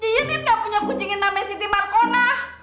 jejen ini gak punya kucingin namanya siti markona